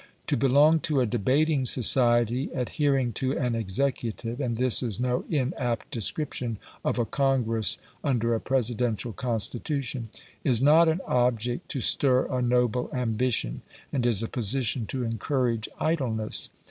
To belong to a debating society adhering to an executive (and this is no inapt description of a congress under a Presidential Constitution) is not an object to stir a noble ambition, and is a position to encourage idleness.